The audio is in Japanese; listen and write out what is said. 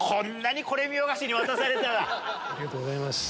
ありがとうございます。